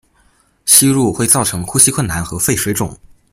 吸入会造成呼吸困难和肺水肿。